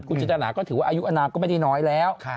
คุณจินตราก็ถือว่าอายุอนามก็ไม่ได้น้อยแล้ว